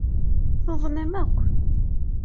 Tuḍnem akk.